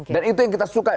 dan itu yang kita suka